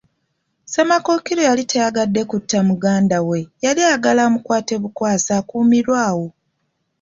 Ssemakookiro yali tayagadde kutta muganda we, yali ayagala amukwate bukwasi akuumirwe awo.